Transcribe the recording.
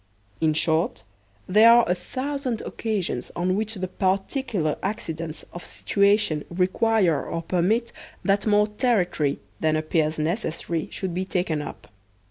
In short, there are a thou sand occasions on which the particular accidents of situa tion require or permit that more territory than appears necessary should be taken up.